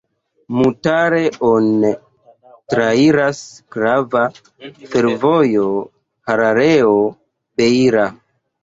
Mutare-on trairas grava fervojo Harareo-Beira.